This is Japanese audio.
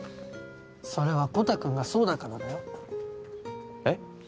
それはコタくんがそうだからだよ。えっ？